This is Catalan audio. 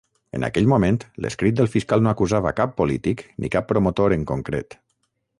En aquell moment, l'escrit del fiscal no acusava cap polític ni cap promotor en concret.